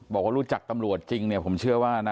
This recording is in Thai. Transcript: บอกว่ารู้จักตำรวจจริงเนี่ยผมเชื่อว่านะ